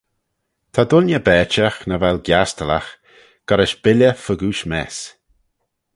Ta dooinney berçhagh nagh vel giastylagh gholl rish billey fegooish mess.